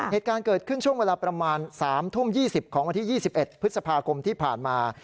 เหตุการณ์เกิดขึ้นช่วงเวลาประมาณ๓ทุ่ม๒๐ของวันที่๒๑พฤษภาคมที่ผ่านมา